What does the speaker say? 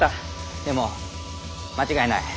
でも間違いない。